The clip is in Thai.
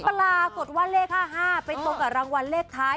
ปลากดว่า๕๕และไปตัดกับรางวัลเลขท้าย๓๕๕๕